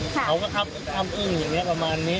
เขาก็อ้ำอึ้งอย่างนี้ประมาณนี้